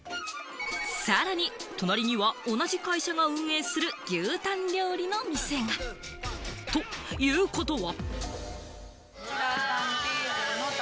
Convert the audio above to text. さらに隣には同じ会社が運営する牛タン料理の店が。ということは。